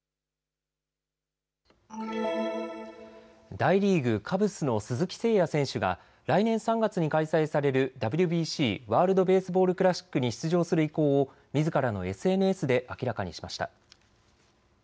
大リーグ、カブスの鈴木誠也選手が来年３月に開催されるＷＢＣ・ワールド・ベースボール・クラシックに出場する意向をみずからのＳＮＳで明らかにしました。